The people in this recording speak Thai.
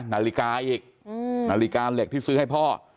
นาฬิกาอีกนาฬิกาเหล็กที่ซื้อให้พ่อ